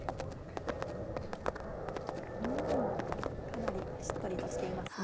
かなりしっとりとしていますね。